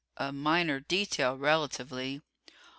A minor detail, relatively....